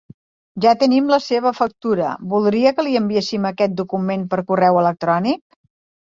Ja tenim la seva factura, voldria que li enviéssim aquest document per correu electrònic?